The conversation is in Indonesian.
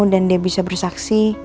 dan dia bisa bersaksi